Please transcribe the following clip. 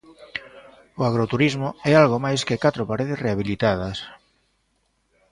O agroturismo é algo máis que catro paredes rehabilitadas.